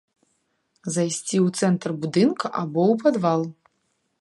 Зайсці ў цэнтр будынка або ў падвал.